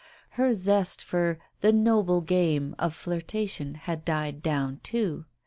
Her zest for "the noble game" of flirtation had died down, too.